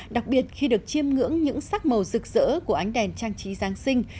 đặc biệt khi được chiêm ngưỡng những sắc màu rực rỡ của ánh đèn trang trí giáng sinh